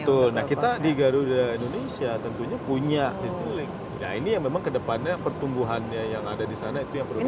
betul nah kita di garuda indonesia tentunya punya citilink nah ini yang memang kedepannya pertumbuhannya yang ada di sana itu yang perlu